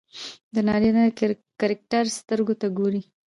د نارينه کرکټر سترګو ته ګوري